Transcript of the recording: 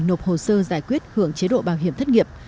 nộp hồ sơ giải quyết hưởng chế độ bảo hiểm thất nghiệp